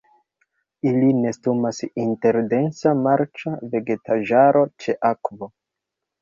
Ili nestumas inter densa marĉa vegetaĵaro ĉe akvo.